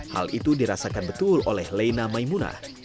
hal itu dirasakan betul oleh leina maimunah